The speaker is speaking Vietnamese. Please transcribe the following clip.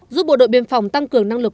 giúp bộ đội biên phòng tăng cường năng lực